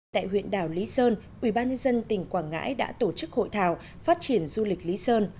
tại huyện đảo lý sơn ubnd tỉnh quảng ngãi đã tổ chức hội thảo phát triển du lịch lý sơn